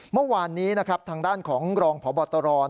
เมื่อวานนี้นะครับทางด้านของรองพบตร